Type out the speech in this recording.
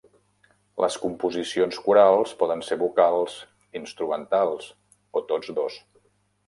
Les composicions corals poden ser vocals, instrumentals o tots dos.